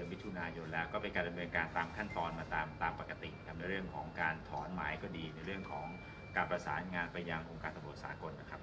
ว่าเราได้รับในเรื่องของคำสั่งเด็กครับ